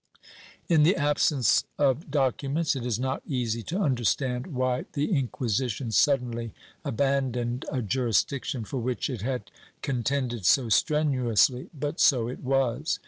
® In the absence of documents, it is not easy to understand why the Inquisition suddenly abandoned a jurisdiction for which it had contended so strenuously, but so it was.